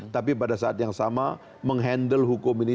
tapi pada saat yang sama menghandle hukum ini